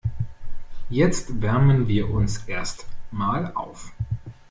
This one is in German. Jetzt wärmen wir uns erst mal auf.